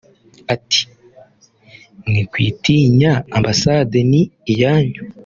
Ati “ Mwikwitinya Ambasade ni iyanyu